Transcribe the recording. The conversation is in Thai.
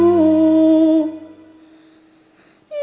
น้อนอ้อย